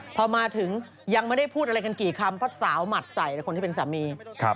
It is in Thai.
พอมาถึงยังไม่ได้พูดอะไรกันกี่คำเพราะสาวหมัดใส่คนที่เป็นสามี